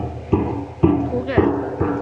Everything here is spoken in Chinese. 湖水主要依靠东部入湖的卡挖臧布补给。